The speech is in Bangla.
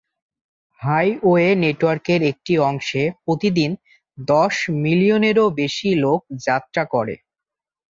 হাইওয়ে নেটওয়ার্কের একটি অংশে প্রতিদিন দশ মিলিয়নেরও বেশি লোক যাত্রা করে।